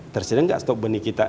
tersedia nggak stok benih kita